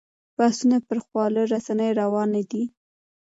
بحثونه پر خواله رسنیو روان دي.